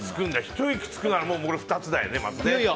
ひと息つくなら２つだよね。